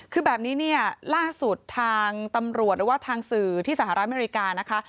คือแบบนี้เนี่ยล่าสุดทางตำรวจหรือว่าทางสื่อที่สหรัฐอเมริกานะคะ